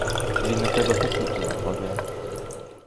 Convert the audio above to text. Він на тебе покуту накладе.